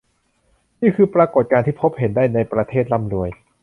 นี่คือปรากฏการณ์ที่พบเห็นได้ในประเทศร่ำรวย